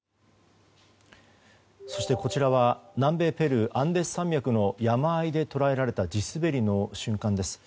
そして、こちらは南米ペルー、アンデス山脈の山あいで捉えられた地滑りの瞬間です。